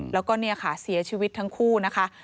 แล้วก็เสียชีวิตทั้งคู่นะคะ